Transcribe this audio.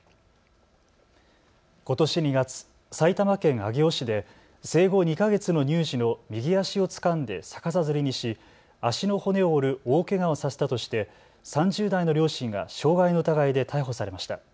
ことし２月、埼玉県上尾市で生後２か月の乳児の右足をつかんで逆さづりにし足の骨を折る大けがをさせたとして３０代の両親が傷害の疑いで逮捕されました。